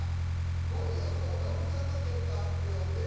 ５位予想ノブさんの結果発表です。